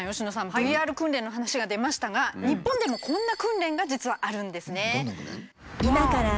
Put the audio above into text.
ＶＲ訓練の話が出ましたが日本でもこんな訓練が実はあるんですね。